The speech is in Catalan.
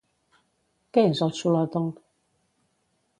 Què és el Xolotl?